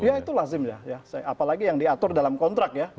ya itu lazim ya apalagi yang diatur dalam kontrak ya